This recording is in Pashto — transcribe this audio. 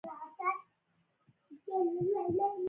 باید چي د مسلمانانو توجه ورته راوړوله سي.